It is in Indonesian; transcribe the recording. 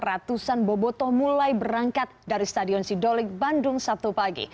ratusan bobotoh mulai berangkat dari stadion sidolik bandung sabtu pagi